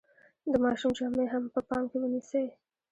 د ماشوم جامې هم په پام کې ونیسئ.